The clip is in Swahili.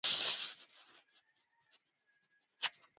sehemu ya wamonaki walisoma kuandika au kunakili vitabu kuanzisha shule